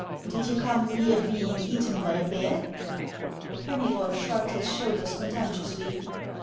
" Did you come near being eaten by a bear ?" Kenuybol shrugged his shoulders contemptuously.